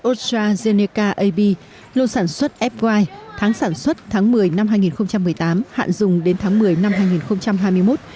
ostrazeneca ab lô sản xuất fi tháng sản xuất tháng một mươi năm hai nghìn một mươi tám hạn dùng đến tháng một mươi năm hai nghìn hai mươi một